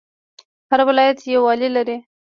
هر ولایت یو والی لري